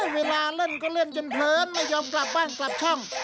เวลาเล่นก็เล่นจนเพลินไม่ยอมกลับบ้านกลับช่อง